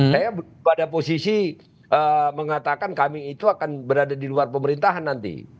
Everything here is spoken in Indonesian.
saya pada posisi mengatakan kami itu akan berada di luar pemerintahan nanti